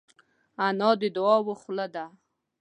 انا د دعاوو خوله ده